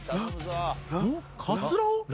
カツラを。